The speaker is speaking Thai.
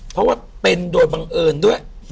เพราะว่าเป็นโดยบังเอิญด้วย